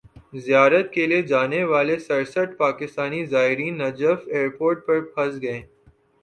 زیارت کیلئے جانے والے سرسٹھ پاکستانی زائرین نجف ایئرپورٹ پر پھنس گئے